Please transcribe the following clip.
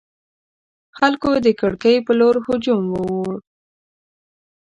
خلکو د کړکۍ پر لور هجوم وروړ.